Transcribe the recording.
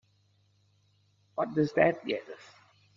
What does that get us?